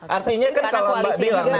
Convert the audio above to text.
artinya kan kalau mbak bilang